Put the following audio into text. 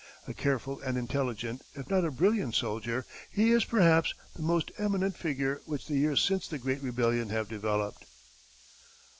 A careful and intelligent, if not a brilliant soldier, he is, perhaps, the most eminent figure which the years since the great rebellion have developed.